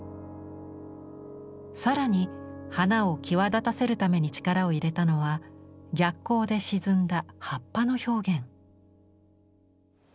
更に花を際立たせるために力を入れたのは逆光で沈んだ葉っぱの表現。